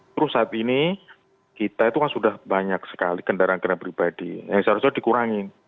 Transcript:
terus saat ini kita itu kan sudah banyak sekali kendaraan kendaraan pribadi yang seharusnya dikurangi